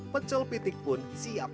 pecul pitik pun siap